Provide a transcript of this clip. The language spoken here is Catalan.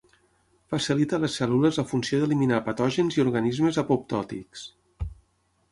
Facilita les cèl·lules la funció d’eliminar patògens i organismes apoptòtics.